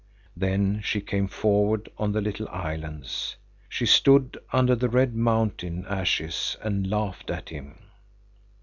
Then she came forward on the little islands. She stood under the red mountain ashes and laughed at him.